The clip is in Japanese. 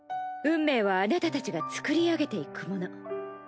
運命はあなたたちが作り上げていくもの。